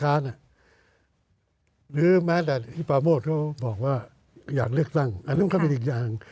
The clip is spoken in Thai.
สำหรับครับสนับแพ่งของหน้าการพี่ปะโบ๊ตเขาบอกว่าอยากเลิกสร้างอันนั้นเขาไปอีกอย่าง